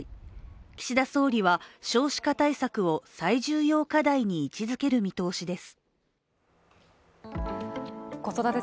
岸田総理は、少子化対策を最重要課題に位置づける見通しです。